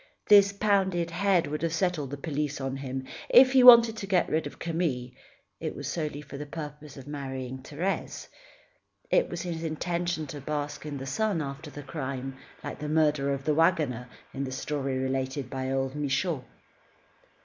This pounded head would have set all the police on him. If he wanted to get rid of Camille, it was solely for the purpose of marrying Thérèse. It was his intention to bask in the sun, after the crime, like the murderer of the wagoner, in the story related by old Michaud.